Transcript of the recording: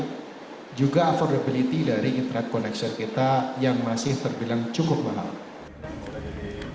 tapi juga affordability dari internet connection kita yang masih terbilang cukup mahal